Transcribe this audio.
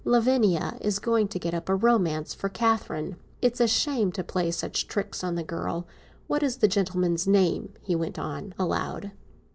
"Lavinia is going to get up a romance for Catherine. It's a shame to play such tricks on the girl. What is the gentleman's name?" he went on, aloud.